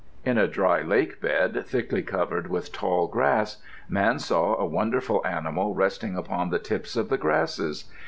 In a dry lake bed, thickly covered with tall grass, Man saw a wonderful animal resting upon the tips of the grasses.